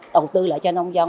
đầu tư lại cho nông dân